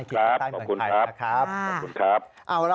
ครับขอบคุณครับขอบคุณครับ